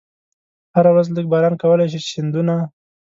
هره ورځ لږ باران کولای شي چې سیندونه.